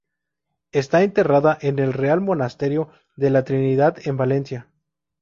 Está enterrada en el Real Monasterio de la Trinidad en Valencia.